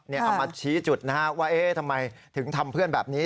เอามาชี้จุดนะฮะว่าทำไมถึงทำเพื่อนแบบนี้